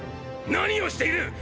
何をしている！